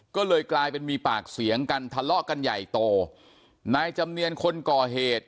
ก็เลยกลายเป็นมีปากเสียงกันทะเลาะกันใหญ่โตนายจำเนียนคนก่อเหตุ